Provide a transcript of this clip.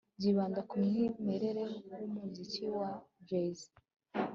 byibanda ku mwimerere w'umuziki wa jazz